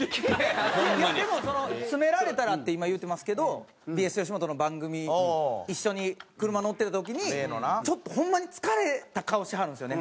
でも「詰められたら」って今言うてますけどＢＳよしもとの番組一緒に車乗ってた時にちょっとホンマに疲れた顔しはるんですよね